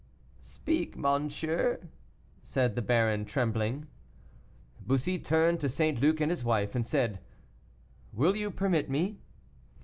"Speak, monsieur," said the baron, trembling. Bussy turned to St. Luc and his wife, and said: "Will you permit me?"